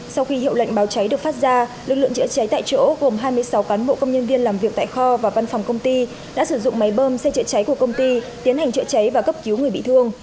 sau khi hiệu lệnh báo cháy được phát ra lực lượng chữa cháy tại chỗ gồm hai mươi sáu cán bộ công nhân viên làm việc tại kho và văn phòng công ty đã sử dụng máy bơm xe chữa cháy của công ty tiến hành chữa cháy và cấp cứu người bị thương